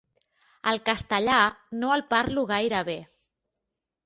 El castellà, no el parlo gaire bé.